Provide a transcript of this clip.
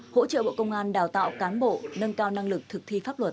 hỗ trợ bộ công an đào tạo cán bộ nâng cao năng lực thực thi pháp luật